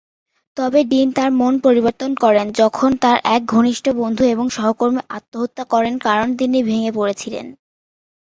তবে ডিন তার মন পরিবর্তন করেন, যখন তার এক ঘনিষ্ঠ বন্ধু এবং সহকর্মী আত্মহত্যা করেন কারণ তিনি ভেঙে পড়েছিলেন।